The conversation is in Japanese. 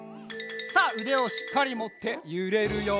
さあうでをしっかりもってゆれるよ。